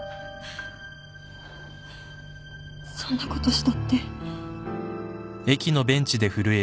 そんなことしたって。